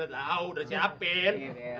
oh udah siapin